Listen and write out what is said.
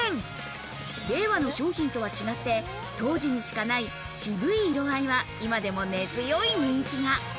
令和の商品とは違って当時にしかない渋い色合いは今でも根強い人気が。